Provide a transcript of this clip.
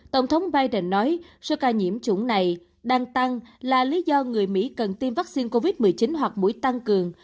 tổng thống biden nói số ca nhiễm chủng này đang tăng là lý do người mỹ cần tiêm vaccine covid một mươi chín hoặc mũi tăng cường